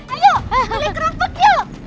ayo beli keropok yuk